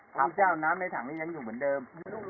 พระเจ้าน้ำในถังยังอยู่เหมือนเดิม